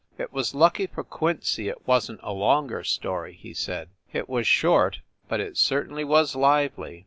"It was lucky for Quincy it wasn t a longer story," he said. "It was short, but it certainly was lively.